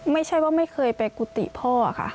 ไม่ใช่ว่าไม่เคยไปกุฏิพ่อค่ะ